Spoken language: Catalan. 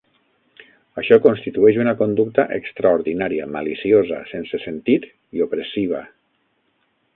Això constitueix una conducta "extraordinària, maliciosa, sense sentit i opressiva.